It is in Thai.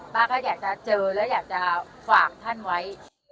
ป้าก็อยากจะเจอแล้วอยากจะฝากท่านไว้